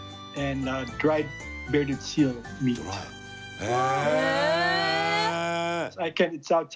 へえ！